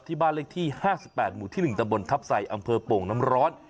ที่บ้านเลขที่ห้าสิบแปดหมู่ที่หนึ่งตะบนทับใสอำเภอโป่งน้ำร้อน